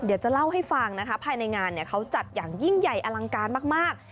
เดี๋ยวจะเล่าให้ฟังนะคะภายในงานเขาจัดอย่างยิ่งใหญ่อลังการมาก